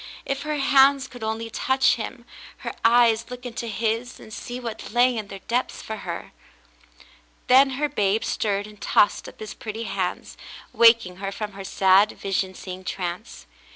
If her hands could only touch him, her eyes look into his and see what lay in their depths for her ! Then her babe stirred and tossed up his pretty hands, waking her from her sad, vision seeing trance.